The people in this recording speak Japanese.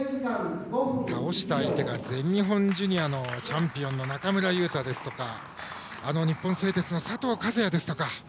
倒した相手が全日本ジュニアのチャンピオンの中村雄太ですとか日本製鉄の佐藤和哉ですとか。